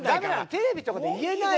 テレビとかで言えない。